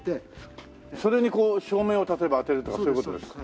それにこう照明を例えば当てるとかそういう事ですか？